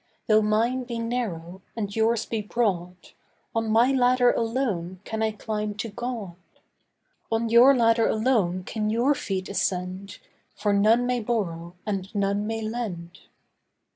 Though mine be narrow, and yours be broad, On my ladder alone can I climb to God. On your ladder alone can your feet ascend, For none may borrow, and none may lend.